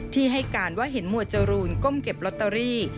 ที่ให้การว่าเห็นหมวดจรูนก้มเก็บลอตเตอรี่